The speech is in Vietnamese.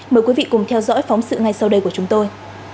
mời quý vị cùng theo dõi phóng sự ngay sau đây của chúng tôi